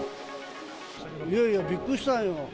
いや、びっくりしたんよ。